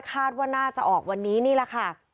คาดว่าน่าจะออกวันนี้นี่แหละค่ะ